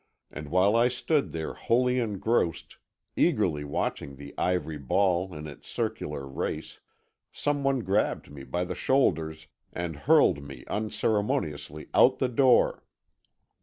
And while I stood there wholly engrossed, eagerly watching the ivory ball in its circular race, some one grabbed me by the shoulders and hurled me unceremoniously out the door.